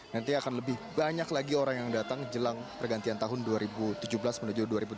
nanti akan lebih banyak lagi orang yang datang jelang pergantian tahun dua ribu tujuh belas menuju dua ribu delapan belas